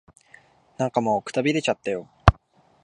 なんかもう、くたびれちゃったよ。